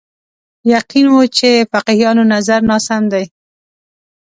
یقین و چې فقیهانو نظر ناسم دی